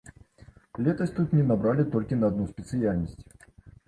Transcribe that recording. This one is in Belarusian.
Летась тут не набралі толькі на адну спецыяльнасць.